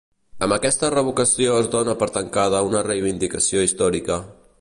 Amb aquesta revocació es dona per tancada una reivindicació històrica